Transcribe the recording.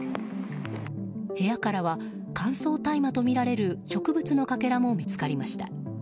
部屋からは乾燥大麻とみられる植物のかけらも見つかりました。